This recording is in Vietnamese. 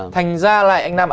thành ra lại anh nam ạ